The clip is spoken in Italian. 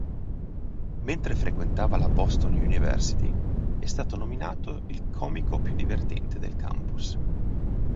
Mentre frequentava la Boston University è stato nominato il comico più divertente del campus.